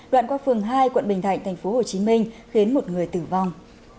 đoạn qua phường hai quận bình thạnh tp hcm khiến một người tử vong